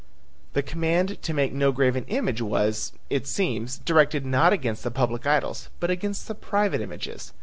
The command to make no graven image was, it seems, directed not against the public idols but against the private images.